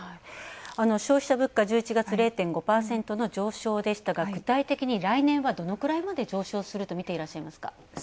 消費者物価１１月０．５％の上昇でしたが具体的に来年はどのくらいまで上昇するとみていらっしゃいますか？